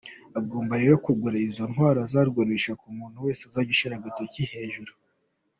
Agomba rero kugura izo ntwaro azarwanisha umuntu wese uzashyiura agatoki hejuru.